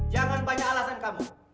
jangan banyak alasan kamu